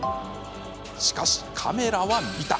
しかし、カメラは見た！